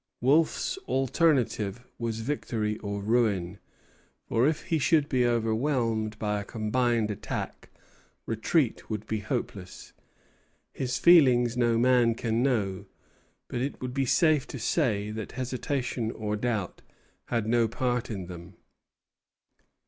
Wolfe's alternative was victory or ruin; for if he should be overwhelmed by a combined attack, retreat would be hopeless. His feelings no man can know; but it would be safe to say that hesitation or doubt had no part in them.